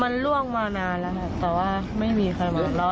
มันล่วงมานานแล้วค่ะแต่ว่าไม่มีใครมาล้อ